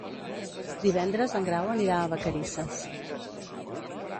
Divendres en Grau anirà a Vacarisses.